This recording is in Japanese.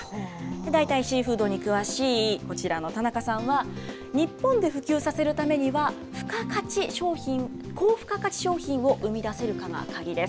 代替シーフードに詳しいこちらの田中さんは、日本で普及させるためには、高付加価値商品を生み出せるかが鍵です。